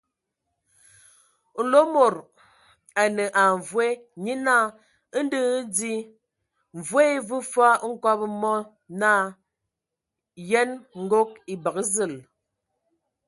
Nlomodo a nəa mvoe, nye naa : ndɔ hm di. Mvoe e vəə fɔɔ hkobo mɔ naa : Yənə, ngog. E bəgə zəl !